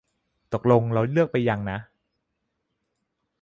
ตกลงเราเลือกตั้งไปยังนะ